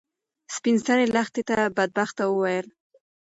سپین سرې لښتې ته بدبخته وویل.